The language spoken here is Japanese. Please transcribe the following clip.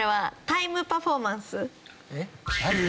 タイムパフォーマンス。